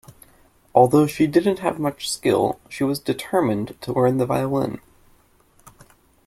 Although she didn't have much skill, she was determined to learn the violin.